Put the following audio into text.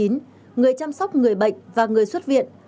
người chăm sóc người bệnh và người xuất viện